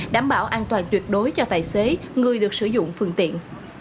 đảm bảo an toàn tuyệt đối cho tài xế người được sử dụng phương tiện